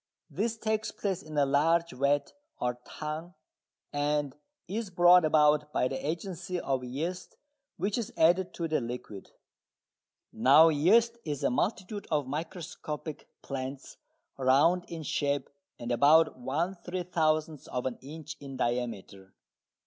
This takes place in a large vat or "tun" and is brought about by the agency of yeast which is added to the liquid. Now yeast is a multitude of microscopic plants round in shape and about one three thousandth of an inch in diameter.